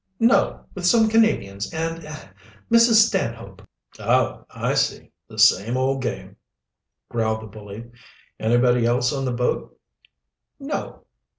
"No, with some Canadians and er Mrs. Stanhope." "Oh, I see! the same old game," growled the bully. "Anybody else on the boat?" "No."